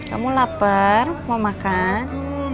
kamu lapar mau makan